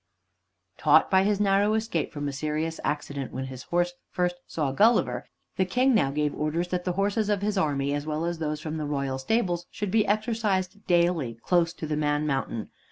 Taught by his narrow escape from a serious accident when his horse first saw Gulliver, the King now gave orders that the horses of his army, as well as those from the Royal stables, should be exercised daily close to the Man Mountain.